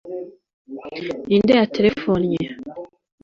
ni nde yaterefonnye